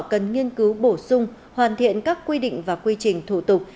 cần nghiên cứu bổ sung hoàn thiện các quy định và quy trình thủ tục